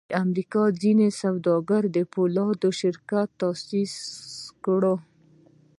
د امریکا ځینو سوداګرو د پولادو شرکت تاسیس کړی و